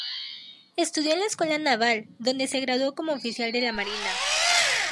Estudió en la Escuela Naval, donde se graduó como oficial de la Marina.